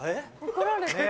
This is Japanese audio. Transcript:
怒られてる？